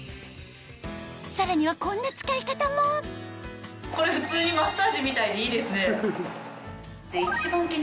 さらにはこれ普通にマッサージみたいでいいですね。